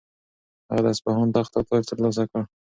هغه د اصفهان تخت او تاج ترلاسه کړ.